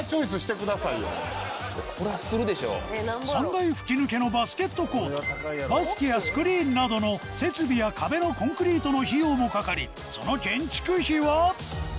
３階吹き抜けのバスケットコートバスケやスクリーンなどの設備や壁のコンクリートの費用もかかりその建築費は？